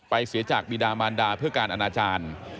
เสียจากบิดามานดาเพื่อการอนาจารย์